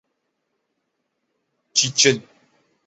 چیچن